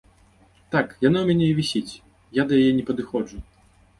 Так яна ў мяне і вісіць, я да яе не падыходжу.